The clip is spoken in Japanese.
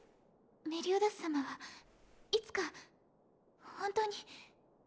メリオダス様はいつか本当に私の前から。